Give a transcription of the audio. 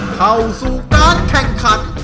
เข้าสู่การแข่งขัน